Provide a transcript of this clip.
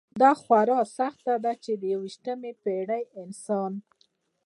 دا خورا سخته ده چې د یویشتمې پېړۍ انسان.